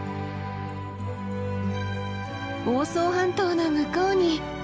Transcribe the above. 房総半島の向こうに！